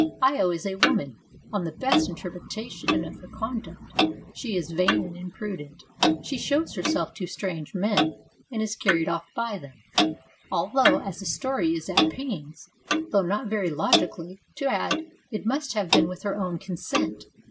Io is a woman ; on the best interpretation of her conduct she is vain and imprudent ; she shows herself to strange men, and is carried off by them, although, as the story is at pains, though not very logically, to add, it must have been with her own consent.